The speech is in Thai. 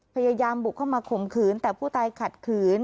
พยายามบุกเข้ามาข่มขืนแต่ผู้ตายขัดขืน